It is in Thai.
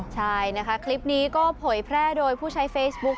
ใช่นะคะคลิปนี้ก็เผยแพร่โดยผู้ใช้เฟซบุ๊ค